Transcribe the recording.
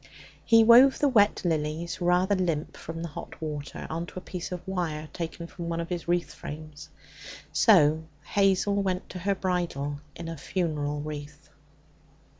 He wove the wet lilies, rather limp from the hot water, on to a piece of wire taken from one of his wreath frames. So Hazel went to her bridal in a funeral wreath.